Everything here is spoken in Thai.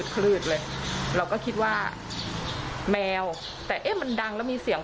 คลืดเลยเราก็คิดว่าแมวแต่เอ๊ะมันดังแล้วมีเสียง